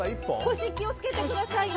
腰、気を付けてくださいね。